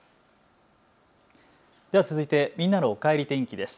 では続いてみんなのおかえり天気です。